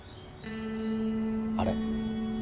あれ？